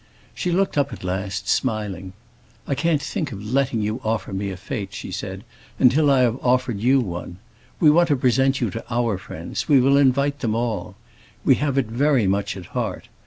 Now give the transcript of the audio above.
She looked up at last, smiling. "I can't think of letting you offer me a fête," she said, "until I have offered you one. We want to present you to our friends; we will invite them all. We have it very much at heart.